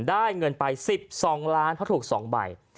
ได้เงินไป๑๒ล้านเพราะถูก๒ใบ